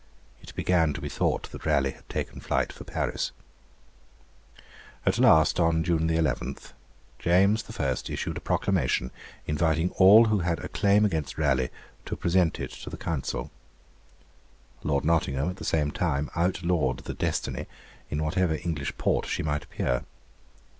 It began to be thought that Raleigh had taken flight for Paris. At, last, on June 11, James I. issued a proclamation inviting all who had a claim against Raleigh to present it to the Council. Lord Nottingham at the same time outlawed the 'Destiny' in whatever English port she might appear.